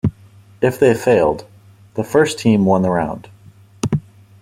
If they failed, the first team won the round.